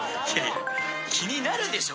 気になるでしょ